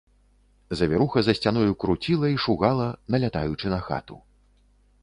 Завіруха за сцяною круціла і шугала, налятаючы на хату.